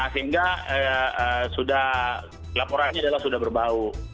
sehingga laporannya adalah sudah berbau